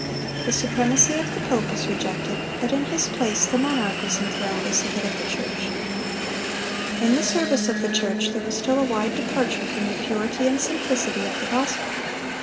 The supremacy of the pope was rejected, but in his place the monarch was enthroned as the head of the church. In the service of the church there was still a wide departure from the purity and simplicity of the gospel.